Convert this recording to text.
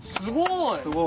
すごい。